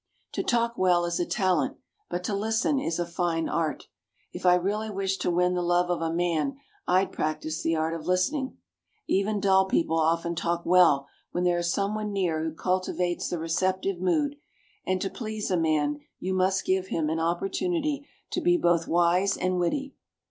To talk well is a talent, but to listen is a fine art. If I really wished to win the love of a man I'd practise the art of listening. Even dull people often talk well when there is some one near who cultivates the receptive mood; and to please a man you must give him an opportunity to be both wise and witty.